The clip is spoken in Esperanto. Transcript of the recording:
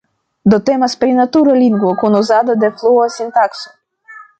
Do temas pri natura lingvo kun uzado de flua sintakso.